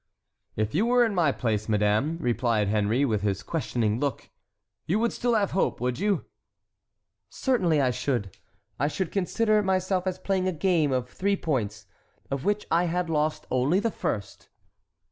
"If you were in my place, madame," replied Henry, with his questioning look, "you would still have hope, would you?" "Certainly I should; I should consider myself as playing a game of three points, of which I had lost only the first."